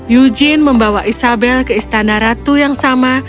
eujin membawa isabel ke istana ratu yang sama